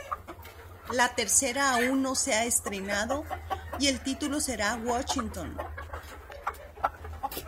La tercera aún no se ha estrenado, y el título será "Washington".